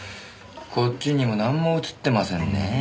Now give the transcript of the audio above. こっちにもなんも写ってませんねぇ。